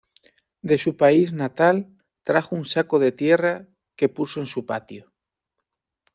De su país natal trajo un saco de tierra que puso en su patio.